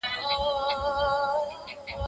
دا علمي څېړني باید خاماخا په ګډه سره سرته ورسيږي.